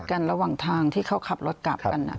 พูดคุยกันระหว่างทางที่เขาขับรถกลับกัน